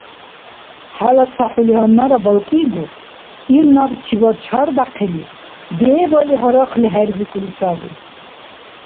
ХӀела ца хӀули гьаннара балкӀигу. Ил набчибад чарбяхъили, дебали гьарахъли хӀербикӀули саби.